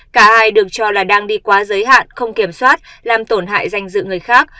cả hai được cho là đang đi quá giới hạn không kiểm soát làm tổn hại danh dự người khác